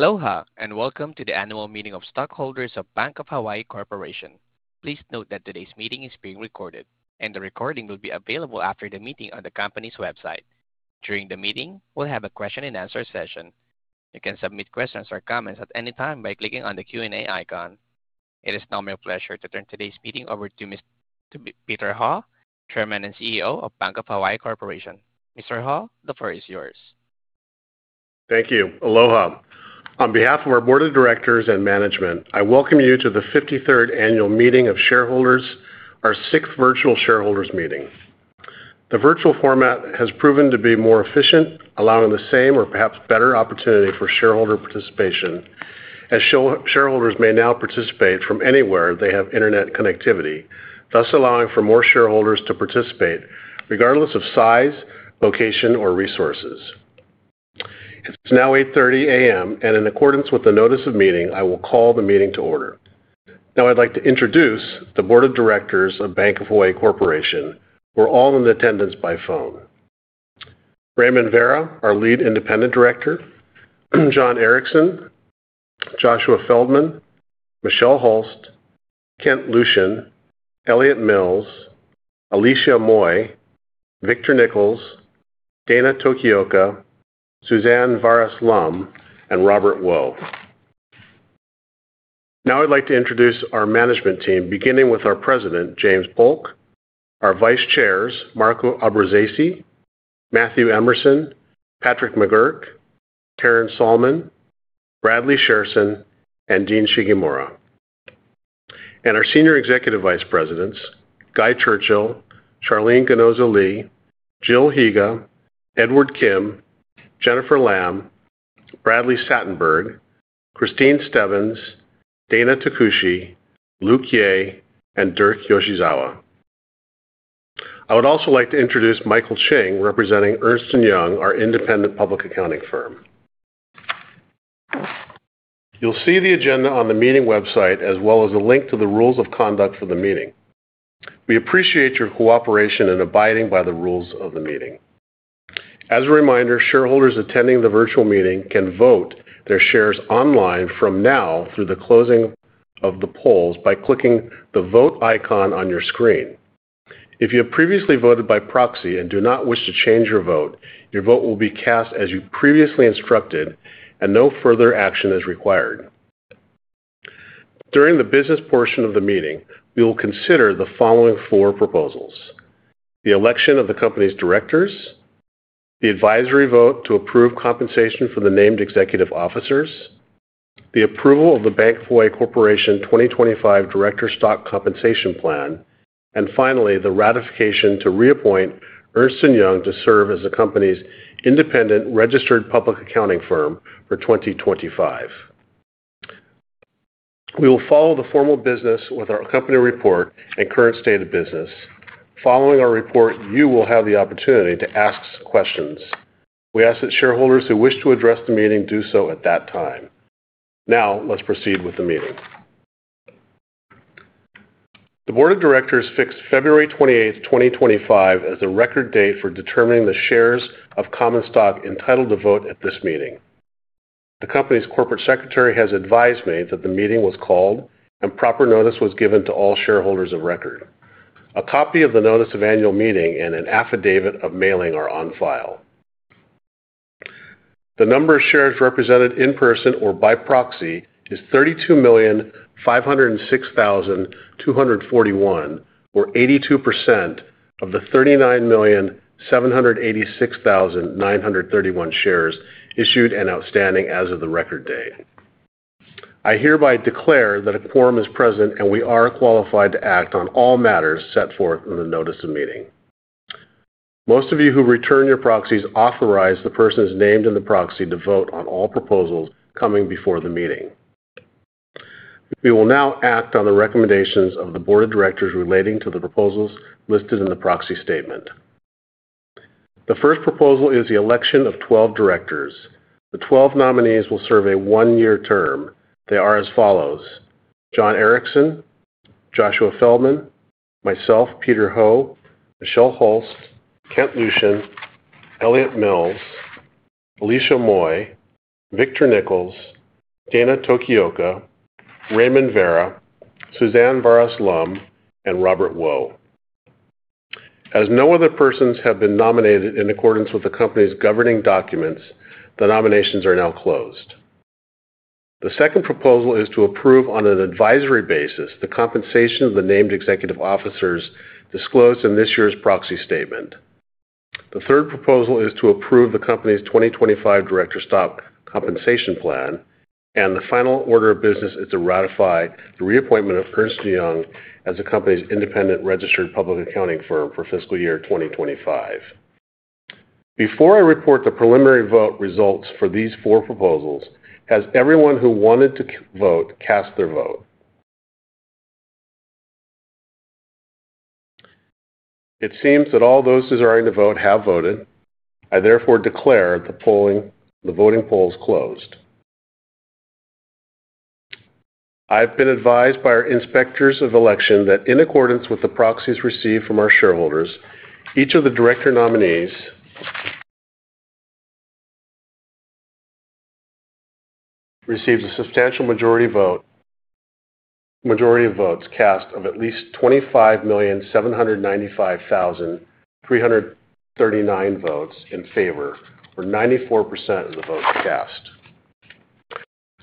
Aloha and welcome to the Annual Meeting of Stockholders of Bank of Hawaii Corporation. Please note that today's meeting is being recorded, and the recording will be available after the meeting on the company's website. During the meeting, we'll have a question-and-answer session. You can submit questions or comments at any time by clicking on the Q&A icon. It is now my pleasure to turn today's meeting over to Mr. Peter Ho, Chairman and CEO of Bank of Hawaii Corporation. Mr. Ho, the floor is yours. Thank you. Aloha. On behalf of our Board of Directors and Management, I welcome you to the 53rd Annual Meeting of Shareholders, our sixth virtual shareholders meeting. The virtual format has proven to be more efficient, allowing the same or perhaps better opportunity for shareholder participation, as shareholders may now participate from anywhere they have internet connectivity, thus allowing for more shareholders to participate regardless of size, location, or resources. It's now 8:30 A.M., and in accordance with the notice of meeting, I will call the meeting to order. Now, I'd like to introduce the Board of Directors of Bank of Hawaii Corporation. We're all in attendance by phone: Raymond Vara, our Lead Independent Director; John Erickson; Joshua Feldman; Michelle Hulst; Kent Lucien; Elliot Mills; Alicia Moy; Victor Nichols; Dana Tokioka; Suzanne Vares-Lum; and Robert Wo. Now, I'd like to introduce our management team, beginning with our President, James Polk, our Vice Chairs, Marco Abbruzzese, Matthew Emerson, Patrick McGuirk, Taryn Salmon, Bradley Shairson, and Dean Shigemura. Our Senior Executive Vice Presidents, Guy Churchill, Sharlene Ginoza-Lee, Jill Higa, Edward Kim, As a reminder, shareholders attending the virtual meeting can vote their shares online from now through the closing of the polls by clicking the vote icon on your screen. If you have previously voted by proxy and do not wish to change your vote, your vote will be cast as you previously instructed, and no further action is required. During the business portion of the meeting, we will consider the following four proposals: the election of the company's directors, the advisory vote to approve compensation for the named executive officers, the approval of the Bank of Hawaii Corporation 2025 Director Stock Compensation Plan, and finally, the ratification to reappoint Ernst & Young to serve as the company's independent registered public accounting firm for 2025. We will follow the formal business with our company report and current state of business. Following our report, you will have the opportunity to ask questions. We ask that shareholders who wish to address the meeting do so at that time. Now, let's proceed with the meeting. The Board of Directors fixed February 28th, 2025, as the record date for determining the shares of common stock entitled to vote at this meeting. The company's corporate secretary has advised me that the meeting was called and proper notice was given to all shareholders of record. A copy of the notice of annual meeting and an affidavit of mailing are on file. The number of shares represented in person or by proxy is 32,506,241, or 82% of the 39,786,931 shares issued and outstanding as of the record date. I hereby declare that a quorum is present and we are qualified to act on all matters set forth in the notice of meeting. Most of you who return your proxies authorize the persons named in the proxy to vote on all proposals coming before the meeting. We will now act on the recommendations of the Board of Directors relating to the proposals listed in the proxy statement. The first proposal is the election of 12 directors. The 12 nominees will serve a one-year term. They are as follows: John Erickson, Joshua Feldman, myself, Peter Ho, Michelle Hulst, Kent Lucien, Elliot Mills, Alicia Moy, Victor Nichols, Dana Tokioka, Raymond Vara, Suzanne Vares-Lum, and Robert Wo. As no other persons have been nominated in accordance with the company's governing documents, the nominations are now closed. The second proposal is to approve on an advisory basis the compensation of the named executive officers disclosed in this year's proxy statement. The third proposal is to approve the company's 2025 Director Stock Compensation Plan, and the final order of business is to ratify the reappointment of Ernst & Young as the company's independent registered public accounting firm for fiscal year 2025. Before I report the preliminary vote results for these four proposals, has everyone who wanted to vote cast their vote? It seems that all those desiring to vote have voted. I therefore declare the voting polls closed. I have been advised by our inspectors of election that in accordance with the proxies received from our shareholders, each of the director nominees received a substantial majority of votes cast of at least 25,795,339 votes in favor, or 94% of the votes cast.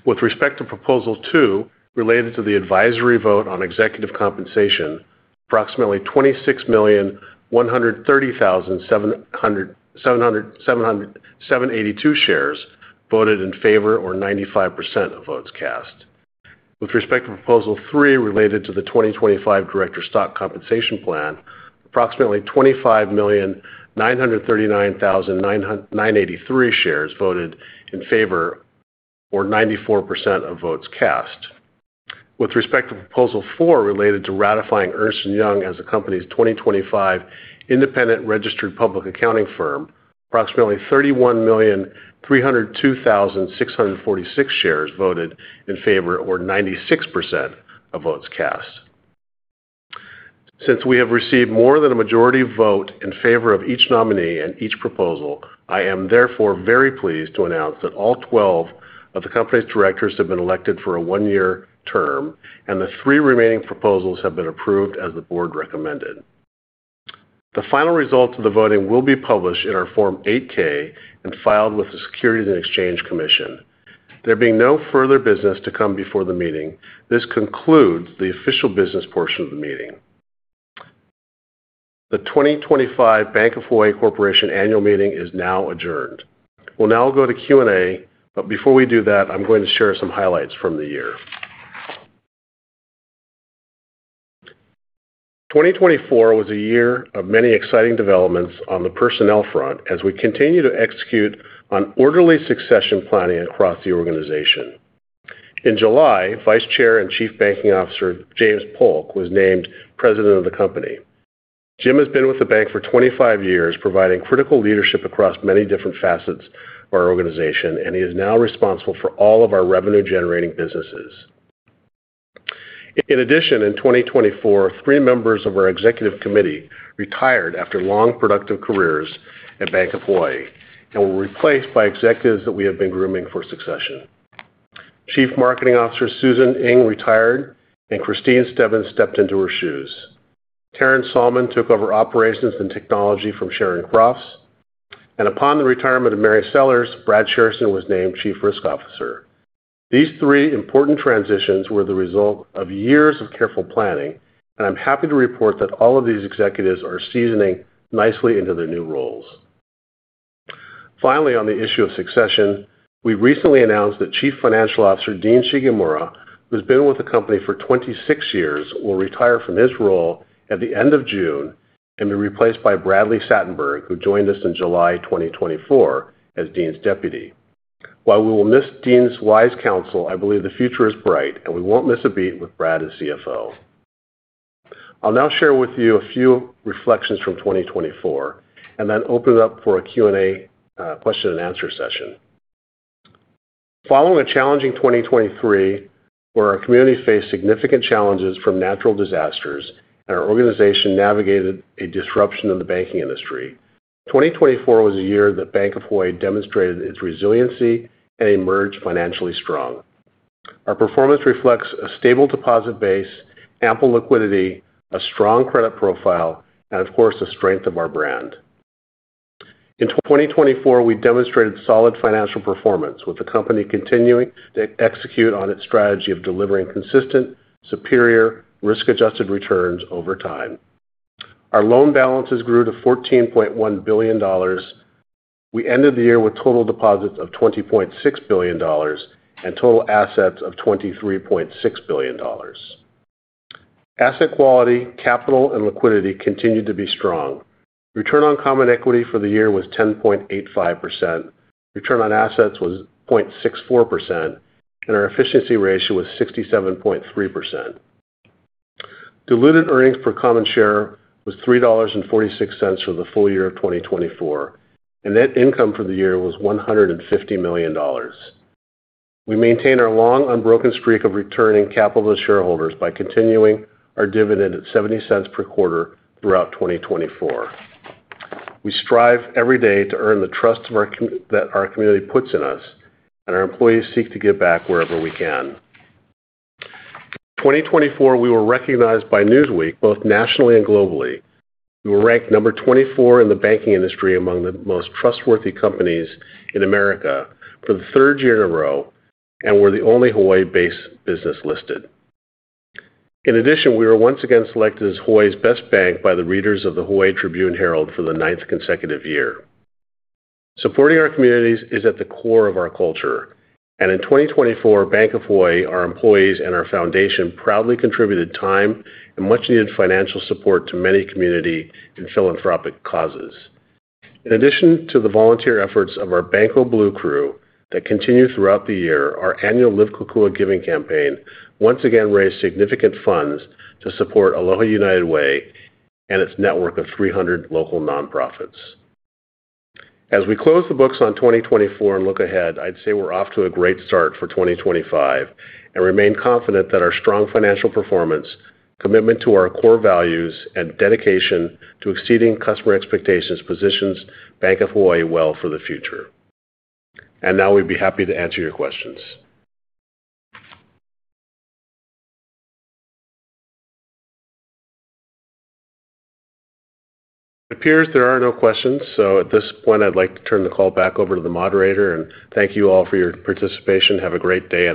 With respect to proposal two, related to the advisory vote on executive compensation, approximately 26,130,782 shares voted in favor, or 95% of votes cast. With respect to proposal three, related to the 2025 Director Stock Compensation Plan, approximately 25,939,983 shares voted in favor, or 94% of votes cast. With respect to proposal four, related to ratifying Ernst & Young as the company's 2025 independent registered public accounting firm, approximately 31,302,646 shares voted in favor, or 96% of votes cast. Since we have received more than a majority vote in favor of each nominee and each proposal, I am therefore very pleased to announce that all 12 of the company's directors have been elected for a one-year term, and the three remaining proposals have been approved as the Board recommended. The final results of the voting will be published in our Form 8-K and filed with the Securities and Exchange Commission. There being no further business to come before the meeting, this concludes the official business portion of the meeting. The 2025 Bank of Hawaii Corporation Annual Meeting is now adjourned. We'll now go to Q&A, but before we do that, I'm going to share some highlights from the year. 2024 was a year of many exciting developments on the personnel front as we continue to execute on orderly succession planning across the organization. In July, Vice Chair and Chief Banking Officer James Polk was named President of the company. Jim has been with the bank for 25 years, providing critical leadership across many different facets of our organization, and he is now responsible for all of our revenue-generating businesses. In addition, in 2024, three members of our executive committee retired after long productive careers at Bank of Hawaii and were replaced by executives that we have been grooming for succession. Chief Marketing Officer Susan Ing retired, and Kristine Stebbins stepped into her shoes. Taryn Salmon took over operations and technology from Sharon Crofts. Upon the retirement of Mary Sellers, Brad Shairson was named Chief Risk Officer. These three important transitions were the result of years of careful planning, and I'm happy to report that all of these executives are seasoning nicely into their new roles. Finally, on the issue of succession, we recently announced that Chief Financial Officer Dean Shigemura, who has been with the company for 26 years, will retire from his role at the end of June and be replaced by Bradley Satenberg, who joined us in July 2024 as Dean's deputy. While we will miss Dean's wise counsel, I believe the future is bright, and we won't miss a beat with Brad as CFO. I'll now share with you a few reflections from 2024 and then open it up for a Q&A question and answer session. Following a challenging 2023, where our community faced significant challenges from natural disasters and our organization navigated a disruption in the banking industry, 2024 was a year that Bank of Hawaii demonstrated its resiliency and emerged financially strong. Our performance reflects a stable deposit base, ample liquidity, a strong credit profile, and of course, the strength of our brand. In 2024, we demonstrated solid financial performance, with the company continuing to execute on its strategy of delivering consistent, superior risk-adjusted returns over time. Our loan balances grew to $14.1 billion. We ended the year with total deposits of $20.6 billion and total assets of $23.6 billion. Asset quality, capital, and liquidity continued to be strong. Return on common equity for the year was 10.85%. Return on assets was 0.64%, and our efficiency ratio was 67.3%. Diluted earnings per common share was $3.46 for the full year of 2024, and net income for the year was $150 million. We maintain our long unbroken streak of returning capital to shareholders by continuing our dividend at $0.70 per quarter throughout 2024. We strive every day to earn the trust that our community puts in us, and our employees seek to give back wherever we can. In 2024, we were recognized by Newsweek both nationally and globally. We were ranked number 24 in the banking industry among the most trustworthy companies in America for the third year in a row and were the only Hawaii-based business listed. In addition, we were once again selected as Hawaii's best bank by the readers of the Hawaii Tribune-Herald for the ninth consecutive year. Supporting our communities is at the core of our culture, and in 2024, Bank of Hawaii, our employees, and our foundation proudly contributed time and much-needed financial support to many community and philanthropic causes. In addition to the volunteer efforts of our Bankoh Blue Crew that continued throughout the year, our annual Live Kokua Giving Campaign once again raised significant funds to support Aloha United Way and its network of 300 local nonprofits. As we close the books on 2024 and look ahead, I'd say we're off to a great start for 2025 and remain confident that our strong financial performance, commitment to our core values, and dedication to exceeding customer expectations positions Bank of Hawaii well for the future. We would be happy to answer your questions. It appears there are no questions, so at this point, I'd like to turn the call back over to the moderator and thank you all for your participation. Have a great day.